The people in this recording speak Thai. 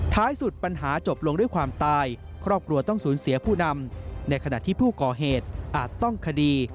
สุดปัญหาจบลงด้วยความตายครอบครัวต้องสูญเสียผู้นำในขณะที่ผู้ก่อเหตุอาจต้องคดี